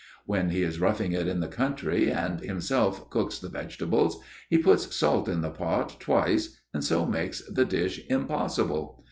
When he is roughing it in the country and himself cooks the vegetables, he puts salt in the pot twice and so makes the dish impossible.